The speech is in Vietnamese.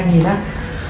vì chỉ tính mạng